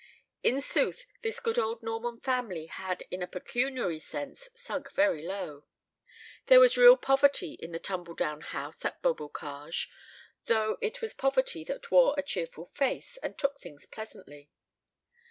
In sooth, this good old Norman family had in a pecuniary sense sunk very low. There was real poverty in the tumble down house at Beaubocage, though it was poverty that wore a cheerful face, and took things pleasantly.